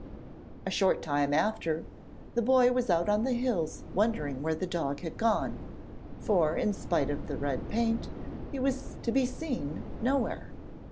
A short time after, the boy was out on the hills wondering where the dog had gone, for, in spite of the red paint, he was to be seen nowhere.